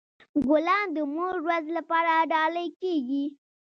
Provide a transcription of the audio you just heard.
ګلان د مور ورځ لپاره ډالۍ کیږي.